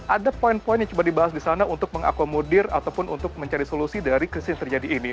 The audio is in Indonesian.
ada poin poin yang coba dibahas di sana untuk mengakomodir ataupun untuk mencari solusi dari krisis yang terjadi ini